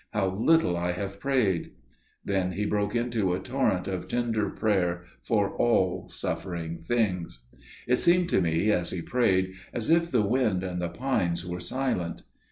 How little I have prayed!" Then he broke into a torrent of tender prayer for all suffering things. It seemed to me as he prayed as if the wind and the pines were silent.